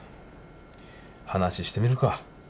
話してみるか。